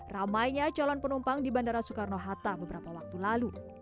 ramainya calon penumpang di bandara soekarno hatta beberapa waktu lalu